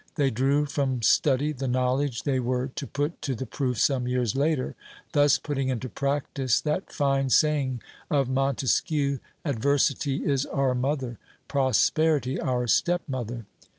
They drew from study the knowledge they were to put to the proof some years later, thus putting into practice that fine saying of Montesquieu, 'Adversity is our mother, Prosperity our step mother.'...